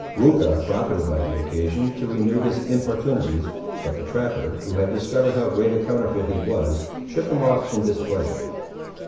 Weucha profited by the occasion to renew his importunities; but the trapper, who had discovered how great a counterfeit he was, shook him off in displeasure.